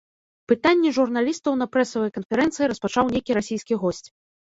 Пытанні журналістаў на прэсавай канферэнцыі распачаў нейкі расійскі госць.